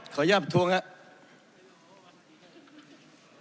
ขอย่ามทวงนะ